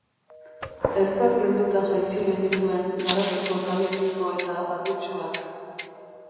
Elkarri helduta jaitsi genituen Garaziko kale piko eta harritsuak.